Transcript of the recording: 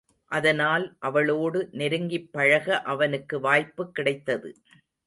அதனால் அவளோடு நெருங்கிப் பழக அவனுக்கு வாய்ப்புக் கிடைத்தது.